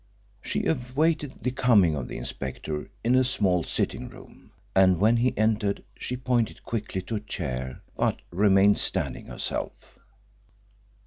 She awaited the coming of the inspector in a small sitting room, and when he entered she pointed quickly to a chair, but remained standing herself.